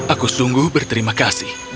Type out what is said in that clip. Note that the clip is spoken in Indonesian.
aku sungguh berterima kasih